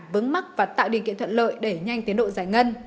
vấn mắc và tạo điều kiện thuận lợi để nhanh tiến độ giải ngân